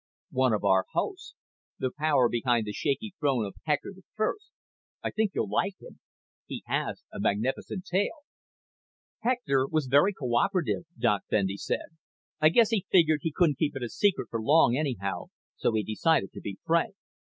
"One of our hosts. The power behind the shaky throne of Hector the First. I think you'll like him. He has a magnificent tail." "Hector was very co operative," Doc Bendy said. "I guess he figured he couldn't keep it a secret for long anyhow, so he decided to be frank.